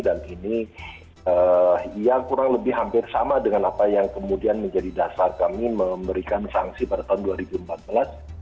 dan ini ya kurang lebih hampir sama dengan apa yang kemudian menjadi dasar kami memberikan sanksi pada tahun dua ribu empat belas dua ribu lima belas